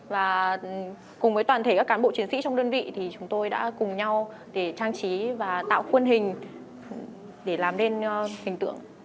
và cùng với toàn thể các cán bộ chiến sĩ trong đơn vị thì chúng tôi đã cùng nhau để trang trí và tạo khuôn hình để làm nên hình tượng